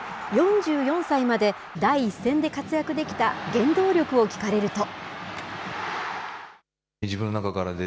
４４歳まで第一線で活躍できた原動力を聞かれると。